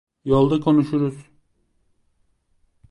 Yolda konuşuruz.